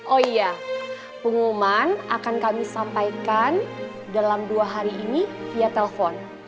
oh iya pengumuman akan kami sampaikan dalam dua hari ini via telepon